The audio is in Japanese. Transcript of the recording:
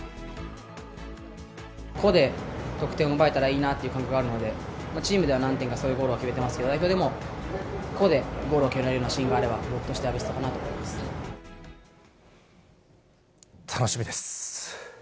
個で得点を奪えたらいいなという感覚があるので、チームでは何点かそういうゴールを決めてますけど、代表でも、個でゴールを決められるシーンがあれば、僕としてはベストかなと楽しみです。